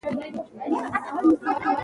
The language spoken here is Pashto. د وینو جوش تر اور زیات و.